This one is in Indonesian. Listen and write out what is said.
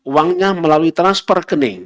uangnya melalui transfer rekening